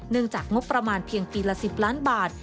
จากงบประมาณเพียงปีละ๑๐ล้านบาท